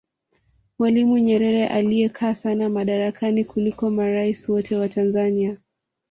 mwalimu nyerere aliyekaa sana madarakani kuliko maraisi wote wa tanzania